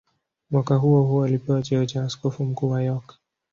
Mwaka huohuo alipewa cheo cha askofu mkuu wa York.